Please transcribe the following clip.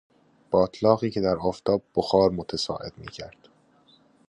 باتلاقی که در آفتاب بخار متصاعد میکرد